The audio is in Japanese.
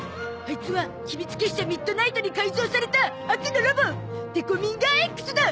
アイツは秘密結社ミッドナイトに改造された悪のロボデコミンガーＸだ！